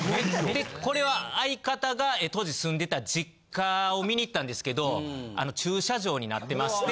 でこれは相方が当時住んでた実家を見にいったんですけど駐車場になってまして。